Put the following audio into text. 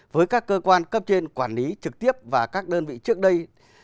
với các cơ quan cấp trên quản lý trực tiếp và các đơn vị trước đây